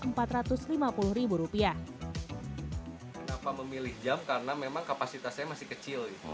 kenapa memilih jam karena memang kapasitasnya masih kecil